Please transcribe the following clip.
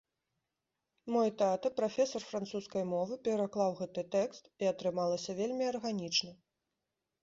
Мой тата, прафесар французскай мовы, пераклаў гэты тэкст, і атрымалася вельмі арганічна.